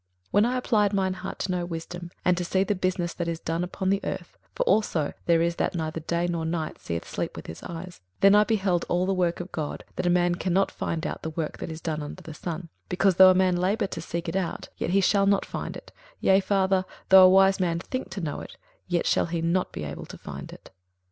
21:008:016 When I applied mine heart to know wisdom, and to see the business that is done upon the earth: (for also there is that neither day nor night seeth sleep with his eyes:) 21:008:017 Then I beheld all the work of God, that a man cannot find out the work that is done under the sun: because though a man labour to seek it out, yet he shall not find it; yea farther; though a wise man think to know it, yet shall he not be able to find it.